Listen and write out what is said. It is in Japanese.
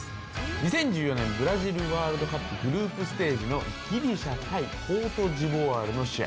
２０１４年ブラジルワールドカップグループステージのギリシャ対コートジボワールの試合。